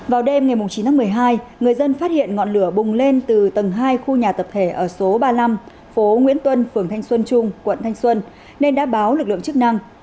vào đêm ngày chín tháng một mươi hai người dân phát hiện ngọn lửa bùng lên từ tầng hai khu nhà tập thể ở số ba mươi năm phố nguyễn tuân phường thanh xuân trung quận thanh xuân nên đã báo lực lượng chức năng